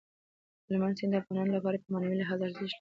هلمند سیند د افغانانو لپاره په معنوي لحاظ ارزښت لري.